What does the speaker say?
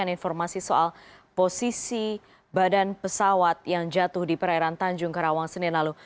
informasi soal posisi badan pesawat yang jatuh di perairan tanjung ke rawang senin lalu